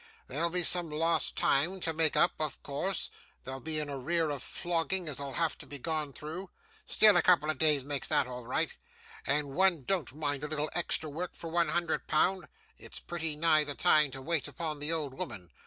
There'll be some lost time to make up, of course. There'll be an arrear of flogging as'll have to be gone through: still, a couple of days makes that all right, and one don't mind a little extra work for one hundred pound. It's pretty nigh the time to wait upon the old woman.